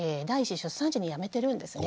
出産時に辞めてるんですね。